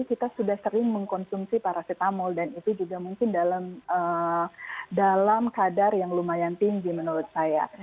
kita sudah sering mengkonsumsi paracetamol dan itu juga mungkin dalam kadar yang lumayan tinggi menurut saya